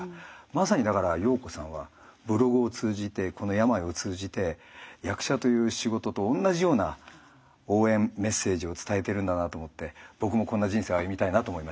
まさにだから暢子さんはブログを通じてこの病を通じて役者という仕事と同じような応援メッセージを伝えてるんだなと思って僕もこんな人生を歩みたいなと思いました。